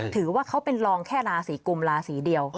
ถือว่าเขาเป็นรองแค่ราศีกุมราศีเดียว